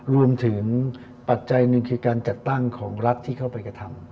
ปัจจัยหนึ่งคือการจัดตั้งของรัฐที่เข้าไปกระทำ